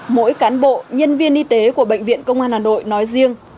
mỗi cán bộ nhân viên y tế của bệnh viện công an hà nội nói riêng